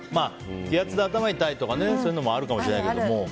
気圧で頭痛いとかもあるかもしれないけど